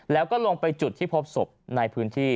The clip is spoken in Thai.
แล้วก็ลงไปจุดที่พบศพในพื้นที่